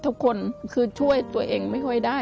ทำงานชื่อนางหยาดฝนภูมิสุขอายุ๕๔ปี